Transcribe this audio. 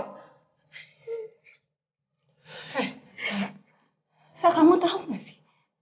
elsa kamu tau gak sih